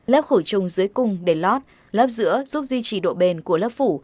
lớp khử trùng dưới cung để lót lớp giữa giúp duy trì độ bền của lớp phủ